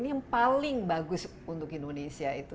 ini yang paling bagus untuk indonesia itu